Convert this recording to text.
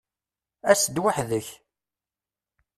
As-d weḥd-k!